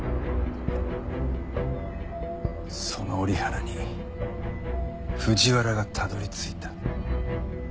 その折原に藤原がたどり着いた。